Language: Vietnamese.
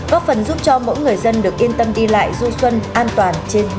góp phần giúp cho mỗi người dân được yên tâm đi lại du xuân an toàn trên mỗi cung đường